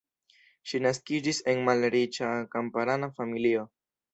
Ŝi naskiĝis en malriĉa kamparana familio.